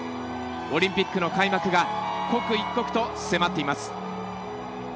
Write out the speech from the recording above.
オリンピックの開幕が刻一刻と迫っています。